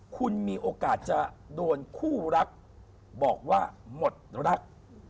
คุณมีโอกาสจะโดนคู่รักบอกว่าหมดรัก